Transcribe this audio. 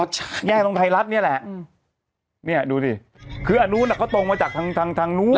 อ๋อใช่แยกตรงไทยรัฐเนี้ยแหละอืมเนี้ยดูสิคืออันนู้นอ่ะก็ตรงมาจากทางทางทางนู้น